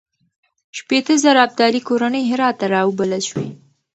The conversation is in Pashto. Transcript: شپېته زره ابدالي کورنۍ هرات ته راوبلل شوې.